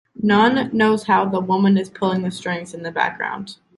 None knows how the woman is pulling the strings in the background.